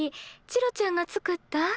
チロちゃんが作ったん？